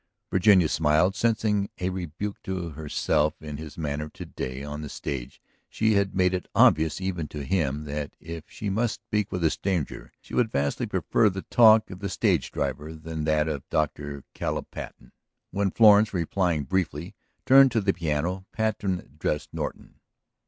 Virginia smiled, sensing a rebuke to herself in his manner; to day on the stage she had made it obvious even to him that if she must speak with a stranger she would vastly prefer the talk of the stage driver than that of Dr. Caleb Patten. When Florence, replying briefly, turned to the piano Patten addressed Norton.